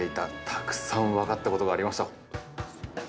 たくさん分かったことがありました。